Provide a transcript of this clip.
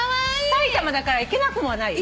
埼玉だから行けなくもない。